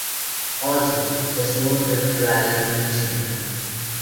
Also, the Sno Drift Rally in Michigan.